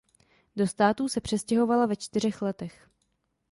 Do Států se přestěhovala ve čtyřech letech.